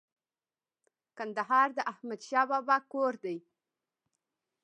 کندهار د احمد شاه بابا کور دی